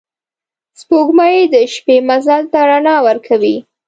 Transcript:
سپوږمۍ د شپې مزل ته رڼا ورکوي